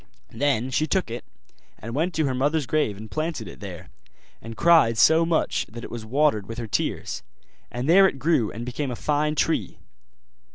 Then she took it, and went to her mother's grave and planted it there; and cried so much that it was watered with her tears; and there it grew and became a fine tree.